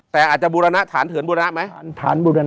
แต่อาจจะบูรณะฐานเถินบุรณะไหม